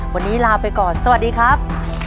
วันนี้ลาไปก่อนสวัสดีครับ